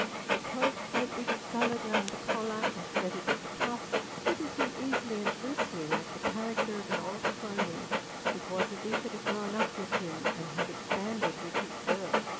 The coat, faintly discoloured round the collar and fretted at the cuffs, fitted him easily and loosely like the character of an old crony; it was as if it had grown up with him, and had expanded with his girth.